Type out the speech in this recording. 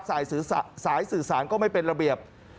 สายสื่อสารก็ไม่เป็นระเบียบ